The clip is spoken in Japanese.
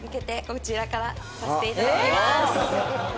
こちらからさせて頂きます。